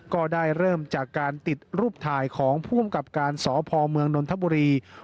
ก็ได้เริ่มจากการติดรูปถ่ายของผู้กำกับการสพเมืองนนทบุรี